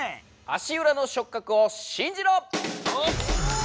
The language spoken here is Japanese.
足裏の触覚を信じろ！